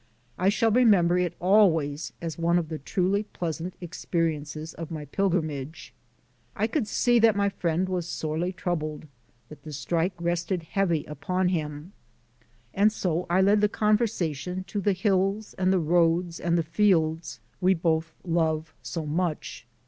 I shall remember it always as one of the truly pleasant experiences of my pilgrimage. I could see that my friend was sorely troubled, that the strike rested heavy upon him, and so I led the conversation to the hills and the roads and the fields we both love so much.